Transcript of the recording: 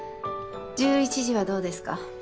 １１時はどうですか？